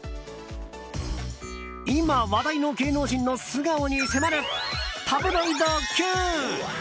今、話題の芸能人の素顔に迫るタブロイドＱ！